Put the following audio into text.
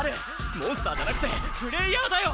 モンスターじゃなくてプレイヤーだよ！